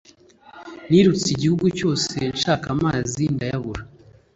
Nirutse igihigu cyose nshaka amazi ndayabura